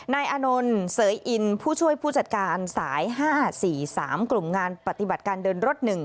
นายอานนท์เสยอินผู้ช่วยผู้จัดการสาย๕๔๓กลุ่มงานปฏิบัติการเดินรถ๑